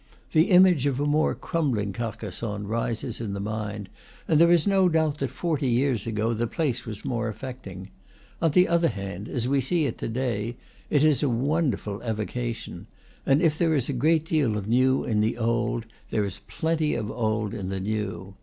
The image of a more crumbling Carcassonne rises in the mind, and there is no doubt that forty years ago the place was more affecting. On the other hand, as we see it to day, it is a wonderful evocation; and if there is a great deal of new in the old, there is plenty of old in the new.